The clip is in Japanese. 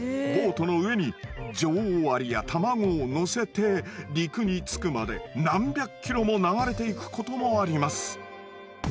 ボートの上に女王アリや卵を乗せて陸に着くまで何百ｋｍも流れていくこともあります。